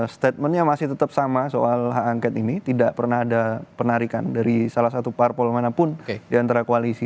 statementnya masih tetap sama soal hak angket ini tidak pernah ada penarikan dari salah satu parpol manapun di antara koalisi